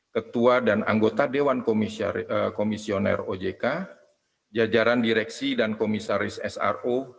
ketua dan anggota dewan komisioner ojk jajaran direksi dan komisaris sro